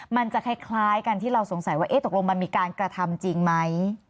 มันจะคล้ายกันที่เราสงสัยว่าตกลงมันมีการกระทำจริงไหม